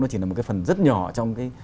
nó chỉ là một phần rất nhỏ trong cái